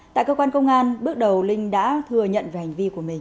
tại cơ quan công an bước đầu linh đã thừa nhận về hành vi của mình